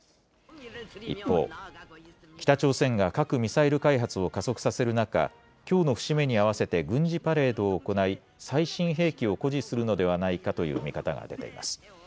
一方、北朝鮮が核・ミサイル開発を加速させる中、きょうの節目に合わせて軍事パレードを行い、最新兵器を誇示するのではないかという見方が出ています。